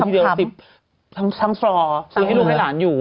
ซีมีทั้งทั้งซลอมให้ลูกได้หลานอยู่